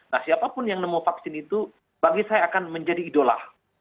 nah siapapun yang nemu vaksin itu bagi saya akan menjadi idola